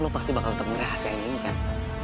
lo pasti bakal temennya khas yang ini kan